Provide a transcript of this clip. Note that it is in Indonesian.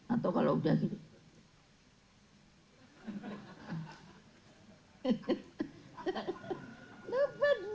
atau kalau udah gini